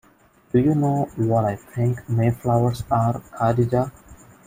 Do you know what I think Mayflowers are, Khadija?